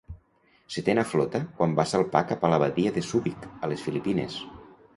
Setena Flota quan va salpar cap a la Badia de Súbic, a les Filipines.